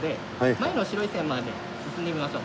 前の白い線まで進んでみましょう。